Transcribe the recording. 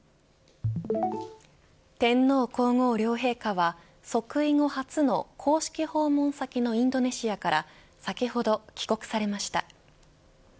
天皇皇后両陛下は即位後初の公式訪問先のインドネシアから先ほど帰国されました。